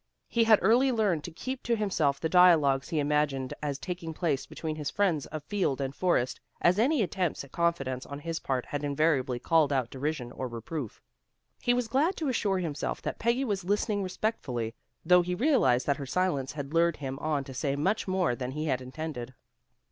He had early learned to keep to himself the dialogues he imagined as taking place between his friends of field and forest, as any attempts at confidence on his part had invariably called out derision or reproof. He was glad to assure himself that Peggy was listening respectfully, though he realized that her silence had lured him on to say much more than he had intended.